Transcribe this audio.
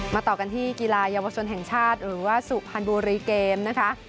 ต่อกันที่กีฬาเยาวชนแห่งชาติหรือว่าสุพรรณบุรีเกมนะคะ